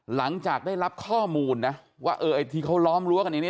หลังจากได้รับข้อมูลนะว่าเออไอ้ที่เขาล้อมรั้วกันอย่างนี้